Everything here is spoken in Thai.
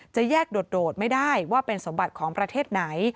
จะแยกโดดไม่ได้ว่าเป็นสมบัติของประเทศไหน